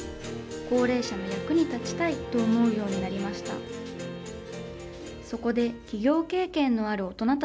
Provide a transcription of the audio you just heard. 高齢者の役に立ちたいと思うようになりました。